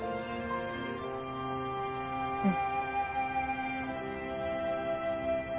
うん。